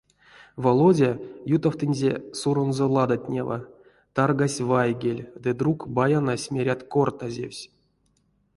Володя ютавтынзе суронзо ладатнева, таргась вайгель, ды друк баянось, мерят, кортазевсь.